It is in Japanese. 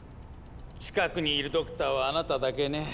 近くにいるドクターはあなただけね。